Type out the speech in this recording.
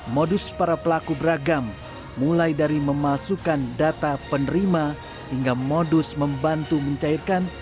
modus para pelaku beragam mulai dari memasukkan data penerima hingga modus membantu mencairkan